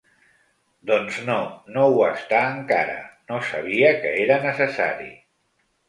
Doncs no no ho està encara, no sabia que era necessari.